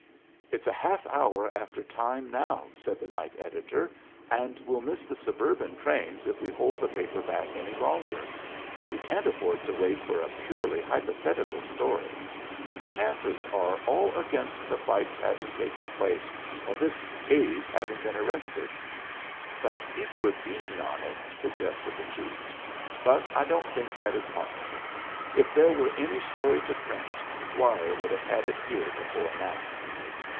"It's a half hour after time now," said the night editor, "and we'll miss the suburban trains if we hold the paper back any longer. We can't afford to wait for a purely hypothetical story. The chances are all against the fight's having taken place or this Hade's having been arrested." "But if we're beaten on it " suggested the chief. "But I don't think that is possible. If there were any story to print, Dwyer would have had it here before now."